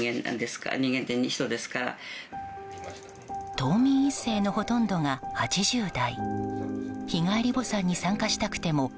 島民１世のほとんどが８０代。